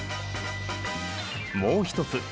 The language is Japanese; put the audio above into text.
もう一つ。